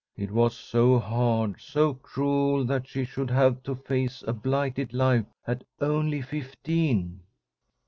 It was so hard, so cruel, that she should have to face a blighted life at only fifteen.